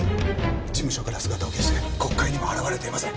事務所から姿を消して国会にも現れていません。